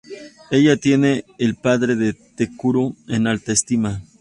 Ella tiene el padre de Takeru en alta estima.